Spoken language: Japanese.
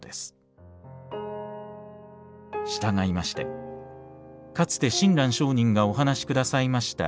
したがいましてかつて親鸞聖人がお話しくださいました